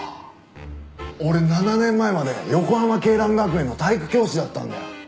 俺７年前まで横浜恵蘭学園の体育教師だったんだよ。